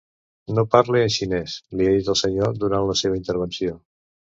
No parle en xinès, li ha dit el senyor durant la seva intervenció.